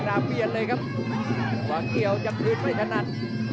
กราบเปลี่ยนเลยครับขวาเกียวจับทืนนั่ยสนัด